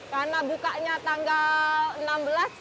karena bukanya tanggal